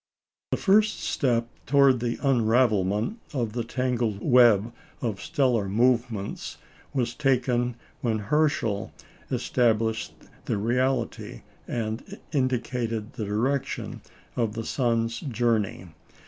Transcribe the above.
The first step towards the unravelment of the tangled web of stellar movements was taken when Herschel established the reality, and indicated the direction of the sun's journey.